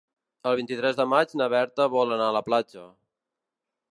El vint-i-tres de maig na Berta vol anar a la platja.